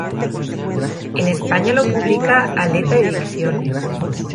En España lo publica Aleta Ediciones.